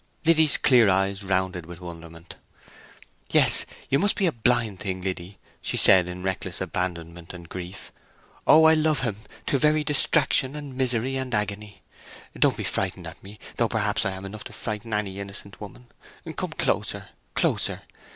Liddy's clear eyes rounded with wonderment. "Yes; you must be a blind thing, Liddy!" she said, in reckless abandonment and grief. "Oh, I love him to very distraction and misery and agony! Don't be frightened at me, though perhaps I am enough to frighten any innocent woman. Come closer—closer."